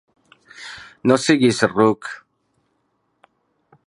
No siguis ruc!